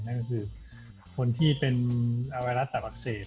นั่นก็คือคนที่เป็นไวรัสตับอักเสบ